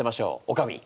おかみ。